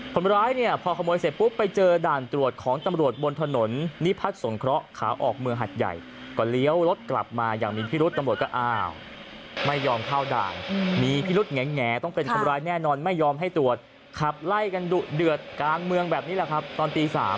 คนร้ายเนี่ยพอขโมยเสร็จปุ๊บไปเจอด่านตรวจของตำรวจบนถนนนิพัฒน์สงเคราะห์ขาออกเมืองหัดใหญ่ก็เลี้ยวรถกลับมาอย่างมีพิรุษตำรวจก็อ้าวไม่ยอมเข้าด่านมีพิรุษแหงต้องเป็นคนร้ายแน่นอนไม่ยอมให้ตรวจขับไล่กันดุเดือดกลางเมืองแบบนี้แหละครับตอนตี๓